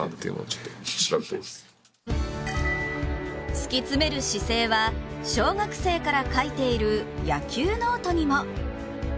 突き詰める姿勢は、小学生から書いている野球ノートにも。